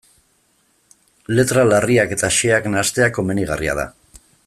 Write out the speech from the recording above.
Letra larriak eta xeheak nahastea komenigarria da.